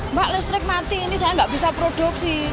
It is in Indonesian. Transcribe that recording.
mbak listrik mati ini saya nggak bisa produksi